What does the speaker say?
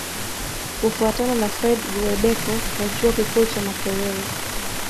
Kufuatana na Fred Guweddeko wa Chuo Kikuu cha Makerere